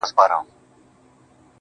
گوره زما گراني زما د ژوند شاعري~